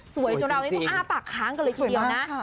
จนเราต้องอ้าปากค้างกันเลยทีเดียวนะ